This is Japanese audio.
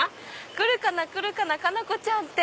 「来るかな来るかな佳菜子ちゃん」って。